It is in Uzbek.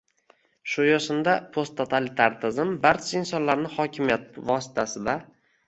Shu yo‘sinda, posttotalitar tizim barcha insonlarni hokimiyat vositasida